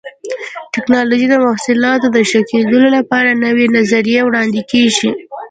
د ټېکنالوجۍ د محصولاتو د ښه کېدلو لپاره نوې نظریې وړاندې کېږي.